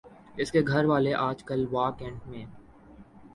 اس کے گھر والے آجکل واہ کینٹ میں